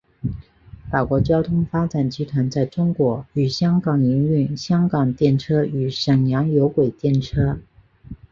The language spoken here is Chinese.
法国交通发展集团在中国与香港营运香港电车与沈阳有轨电车。